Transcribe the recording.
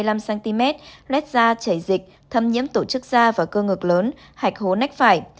lét da chảy dịch thâm nhiễm tổ chức da và cơ ngực lớn hạch hố nách phải